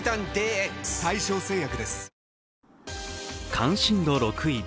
関心度６位。